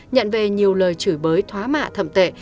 nhận về nhiều lời chửi bới thoá mạ thậm tệ